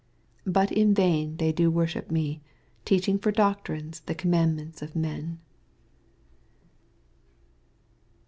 9 Bat in vain they do worship me, teaching /or doctrinea the oommand ments of men.